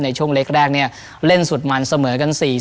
ในช่วงเล็กเล่นสุดมันเสมอกัน๔๔